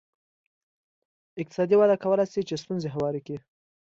اقتصادي وده کولای شي چې ستونزې هوارې کړي.